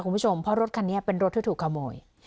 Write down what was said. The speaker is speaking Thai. คุณผู้ชมเพราะรถคันนี้เป็นรถที่ถูกขโมย